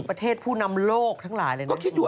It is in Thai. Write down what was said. ประเทศผู้นำโลกทั้งหลายเลยนะ